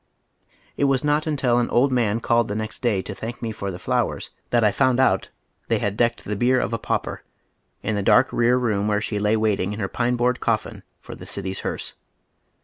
It was not imtil an old man called the next day to thank me for the flowers tliat I found out they had decked tiie bier of a pauper, in the dark rear room where she lay waiting in her pine board colfin for the city's hearse.